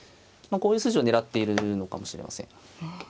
こういう筋を狙っているのかもしれません。